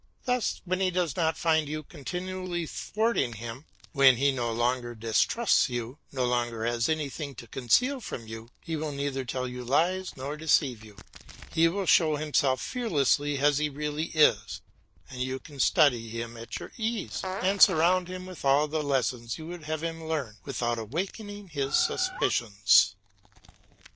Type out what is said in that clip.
Thus when he does not find you continually thwarting him, when he no longer distrusts you, no longer has anything to conceal from you, he will neither tell you lies nor deceive you; he will show himself fearlessly as he really is, and you can study him at your ease, and surround him with all the lessons you would have him learn, without awaking his suspicions.